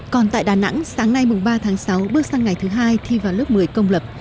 còn tại đà nẵng sáng nay mùng ba tháng sáu bước sang ngày thứ hai thi vào lớp một mươi công lập